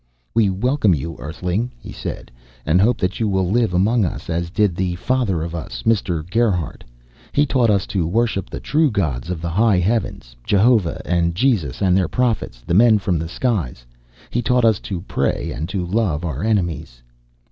"We welcome you, Earthling," he said, "and hope that you will live among us, as did the Father of Us, Mr. Gerhardt. He taught us to worship the true gods of the high heavens. Jehovah, and Jesus and their prophets the men from the skies. He taught us to pray and to love our enemies."